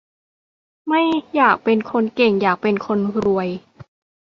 ไม่อยากเป็นคนเก่ง อยากเป็นคนรวย